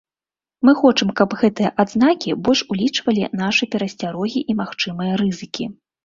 Мы хочам, каб гэтыя адзнакі больш улічвалі нашы перасцярогі і магчымыя рызыкі.